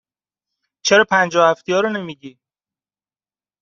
چرا پنجاه و هفتیا رو نمی گی؟